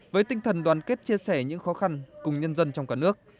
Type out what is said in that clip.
với tinh thần đoàn kết chia sẻ những khó khăn cùng nhân dân trong cả nước